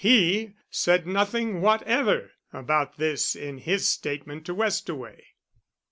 He said nothing whatever about this in his statement to Westaway."